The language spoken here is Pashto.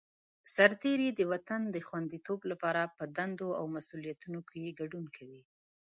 سرتېری د وطن د خوندیتوب لپاره په دندو او مسوولیتونو کې ګډون کوي.